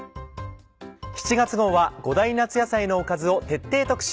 ７月号は５大夏野菜のおかずを徹底特集。